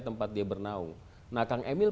tempat dia bernaung nah kang emil